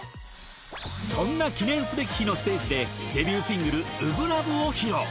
そんな記念すべき日のステージでデビューシングル『初心ＬＯＶＥ』を披露！